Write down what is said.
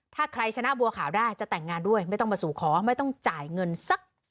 ถ้าใครชนะบัวขาวได้จะแต่งงานด้วยไม่ต้องมาสู่ขอไม่ต้องจ่ายเงินสัก